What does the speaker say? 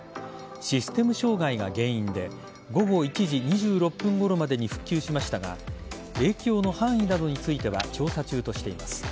システム障害が原因で午後１時２６分ごろまでに復旧しましたが影響の範囲などについては調査中としています。